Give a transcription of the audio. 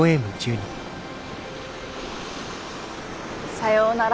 さようなら。